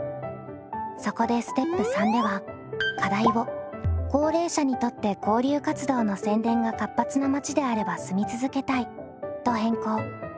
そこでステップ３では課題を「高齢者にとって交流活動の宣伝が活発な町であれば住み続けたい」と変更。